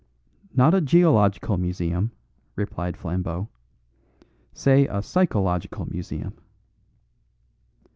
"Not a geological museum," replied Flambeau; "say a psychological museum."